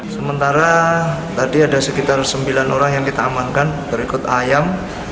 sementara tadi ada sekitar sembilan orang yang kita amankan berikut ayam